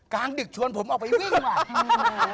กลางดึกชวนผมออกไปวิ่งว่ะ